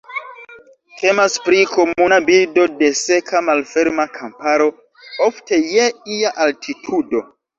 Temas pri komuna birdo de seka malferma kamparo, ofte je ia altitudo.